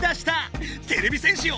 てれび戦士よ！